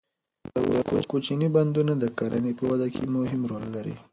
د اوبو کوچني بندونه د کرنې په وده کې مهم رول لري.